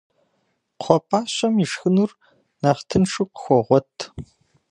Кхъуэпӏащэм ишхынур нэхъ тыншу къыхуогъуэт.